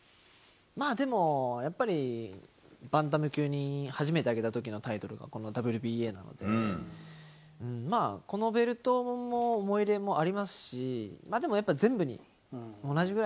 まあでも、やっぱり、バンタム級に初めて上げたときのタイトルがこのＷＢＡなので、まあ、このベルトも思い入れもありますし、でもやっぱ全部に、同じぐら